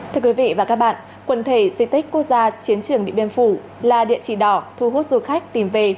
thưa quý vị và các bạn quần thể di tích quốc gia chiến trường điện biên phủ là địa chỉ đỏ thu hút du khách tìm về